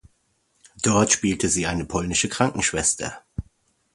Dort spielte sie eine polnische Krankenschwester.